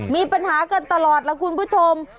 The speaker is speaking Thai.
มีปัญหากันตลอดล่ะคุณผู้ชม